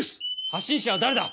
発信者は誰だ？